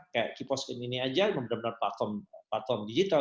kayak keyposting ini aja benar benar platform digital